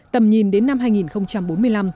tầm nhìn đến năm hai nghìn bốn mươi năm